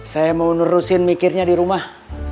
saya mau nerusin mikirnya di rumah